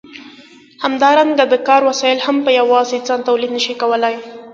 همدارنګه د کار وسایل هم په یوازې ځان تولید نشي کولای.